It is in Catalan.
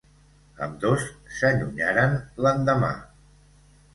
Ambdós s'allunyaren l'endemà.